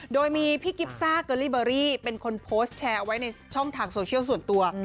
โดยมีพี่กิฟซ่าเกอรี่เบอรี่เป็นคนโพสต์แชร์เอาไว้ในช่องทางโซเชียลส่วนตัว